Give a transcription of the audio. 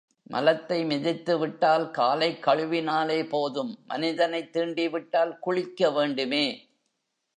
மலத்தை மிதித்துவிட்டால் காலைக் கழுவினாலே போதும் மனிதனைத் தீண்டிவிட்டால், குளிக்க வேண்டுமே!